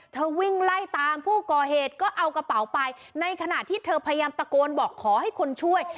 วิ่งไล่ตามผู้ก่อเหตุก็เอากระเป๋าไปในขณะที่เธอพยายามตะโกนบอกขอให้คนช่วย